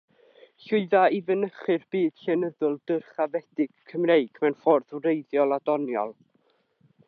Llwydda i fychanu'r byd llenyddol dyrchafedig Cymreig mewn ffordd wreiddiol a doniol.